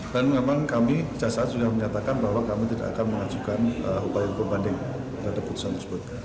dan memang kami kejaksaan sudah menyatakan bahwa kami tidak akan mengajukan upaya hukum banding terhadap putusan tersebut